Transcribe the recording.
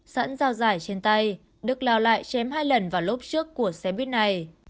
sẵn dao giải trên tay đức lao lại chém hai lần vào lốp trước của xe buýt này